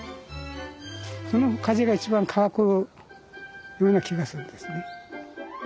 その風が一番乾くような気がするんですね。